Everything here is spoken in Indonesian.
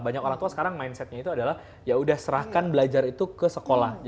banyak orang tua sekarang mindsetnya itu adalah ya udah serahkan belajar itu ke sekolah